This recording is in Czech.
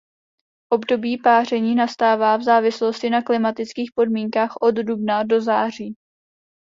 Období páření nastává v závislosti na klimatických podmínkách od dubna do září.